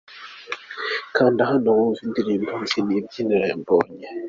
Kanda hano wumve indirimbo'Nzi iby nibwira' ya Mbonyi .